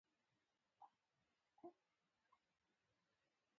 قومونه د افغانستان د طبعي سیسټم توازن په ښه توګه ساتي.